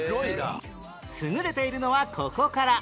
優れているのはここから